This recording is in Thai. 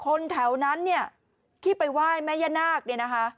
คนแถวนั้นเนี่ยที่ไปไหว้แม่ย่านาคเนี่ยนะคะ